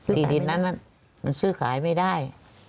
ที่ดินนั้นมันซื้อขายไม่ได้